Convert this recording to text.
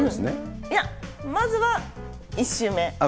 いや、まずは１周目。